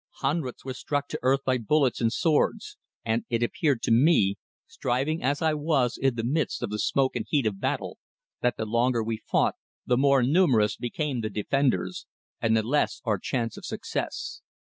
Hundreds were struck to earth by bullets and swords, and it appeared to me, striving as I was in the midst of the smoke and heat of battle, that the longer we fought the more numerous became the defenders, and the less our chance of success.